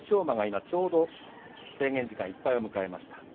馬がちょうど制限時間いっぱいを迎えました。